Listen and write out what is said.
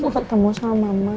kamu ketemu sama mama